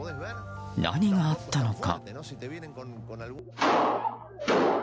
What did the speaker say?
何があったのか。